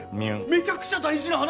めちゃくちゃ大事な話じゃん！